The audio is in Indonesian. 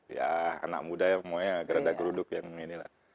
ya anak muda ya semuanya geruduk geruduk yang ini lah